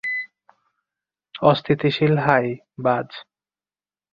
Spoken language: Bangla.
অস্থিতিশীল হাই, বায।